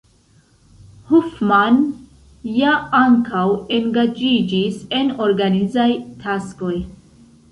Hofmann ja ankaŭ engaĝiĝis en organizaj taskoj.